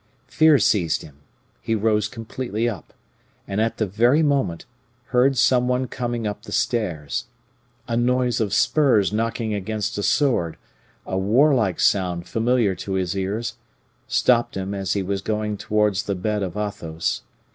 Fear seized him; he rose completely up, and, at the very moment, heard some one coming up the stairs. A noise of spurs knocking against a sword a warlike sound familiar to his ears stopped him as he was going towards the bed of Athos.